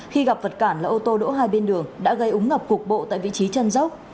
khi gặp vật cản là ô tô đỗ hai bên đường đã gây ống ngập cục bộ tại vị trí chân dốc